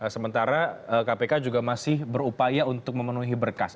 sementara kpk juga masih berupaya untuk memenuhi berkas